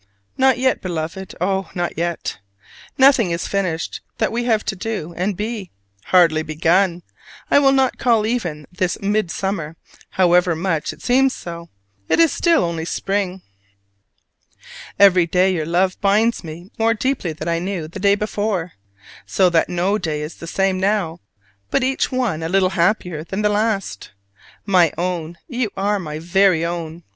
Not yet, Beloved, oh, not yet! Nothing is finished that we have to do and be: hardly begun! I will not call even this "midsummer," however much it seems so: it is still only spring. Every day your love binds me more deeply than I knew the day before: so that no day is the same now, but each one a little happier than the last. My own, you are my very own!